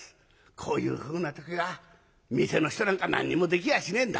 「こういうふうな時は店の人なんか何にもできやしねえんだ。